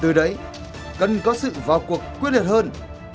từ đấy cần có sự vào cuộc quyết định hơn